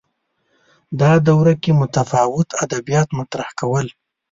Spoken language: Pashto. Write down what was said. دا دوره کې متفاوت ادبیات مطرح کول